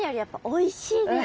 おいしい！